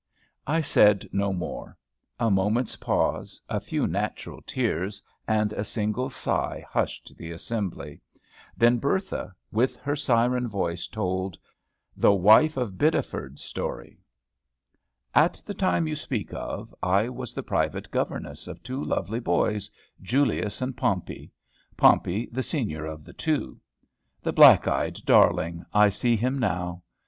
I said no more. A moment's pause, a few natural tears, and a single sigh hushed the assembly; then Bertha, with her siren voice, told THE WIFE OF BIDDEFORD'S STORY. At the time you speak of, I was the private governess of two lovely boys, Julius and Pompey, Pompey the senior of the two. The black eyed darling! I see him now.